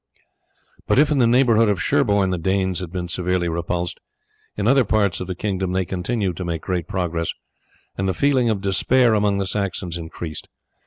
But if in the neighbourhood of Sherborne the Danes had been severely repulsed, in other parts of the kingdom they continued to make great progress, and the feeling of despair among the Saxons increased.